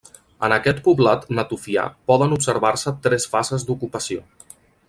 En aquest poblat natufià poden observar-se tres fases d'ocupació.